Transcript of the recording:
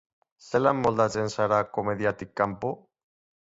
Zelan moldatzen zara komediatik kanpo?